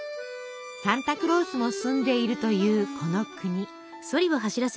サンタクロースも住んでいるというこの国。